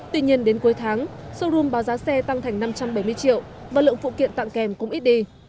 tuy nhiên đến cuối tháng showroom báo giá xe tăng thành năm trăm bảy mươi triệu và lượng phụ kiện tặng kèm cũng ít đi